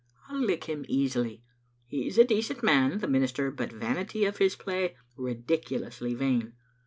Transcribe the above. I'll lick him easily. He's a decent man, the minister, but vain of his play, ridiculously vain.